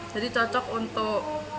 jadi cocok untuk